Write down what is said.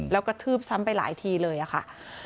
แล้วกระทืบซ้ำไปหลายทีเลยค่ะ